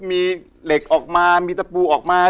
มีเหล็กออกมามีตะปูออกมา